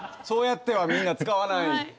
そうやってはみんな使わない。